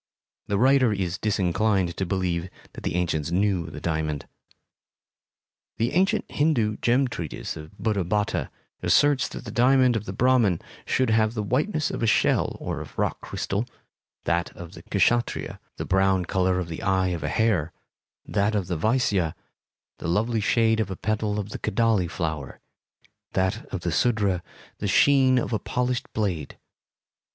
The writer is disinclined to believe that the ancients knew the diamond. The ancient Hindu gem treatise of Buddhabhatta asserts that the diamond of the Brahmin should have the whiteness of a shell or of rock crystal; that of the Kshatriya, the brown color of the eye of a hare; that of the Vaisya, the lovely shade of a petal of the kadali flower; that of the Sudra, the sheen of a polished blade.